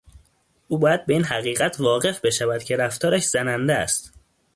او باید به این حقیقت واقف بشود که رفتارش زننده است.